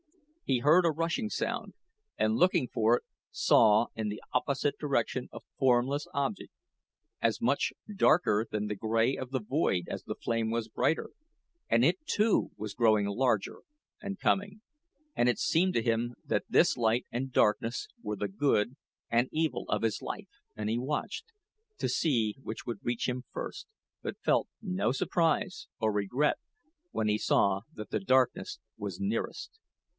He heard a rushing sound, and looking for it, saw in the opposite direction a formless object, as much darker than the gray of the void as the flame was brighter, and it too was growing larger, and coming. And it seemed to him that this light and darkness were the good and evil of his life, and he watched, to see which would reach him first, but felt no surprise or regret when he saw that the darkness was nearest.